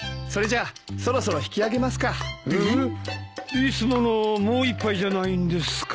いつものもう一杯じゃないんですか？